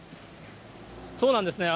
そうなんですね。